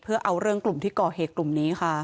เพื่อเอาเรื่องกลุ่มที่ก่อเหตุกลุ่มนี้ค่ะ